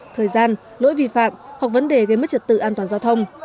thời gian lỗi vi phạm hoặc vấn đề gây mất trật tự an toàn giao thông